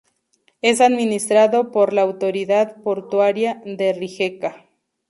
Es administrado por la Autoridad portuaria de Rijeka.